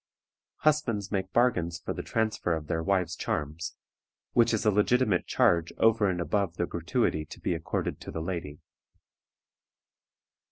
Husbands make bargains for the transfer of their wives' charms, which is a legitimate charge over and above the gratuity to be accorded to the lady.